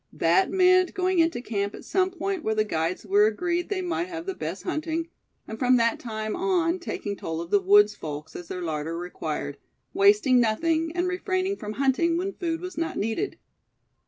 That meant going into camp at some point where the guides were agreed they might have the best hunting; and from that time on taking toll of the woods' folks as their larder required, wasting nothing, and refraining from hunting when food was not needed.